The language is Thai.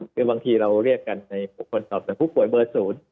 คือบางทีเราเรียกกันในบุคคลตอบสนผู้ป่วยเบอร์๐